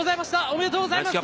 おめでとうございます。